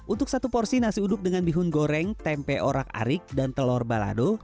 untuk satu porsi nasi uduk dengan bihun goreng tempe orak arik dan telur balado